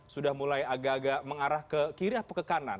sudah mulai agak agak mengarah ke kiri atau ke kanan